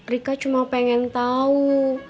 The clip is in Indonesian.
rika cuma pengen tau